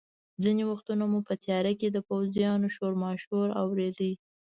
ځینې وختونه مو په تیاره کې د پوځیانو شورماشور اورېده.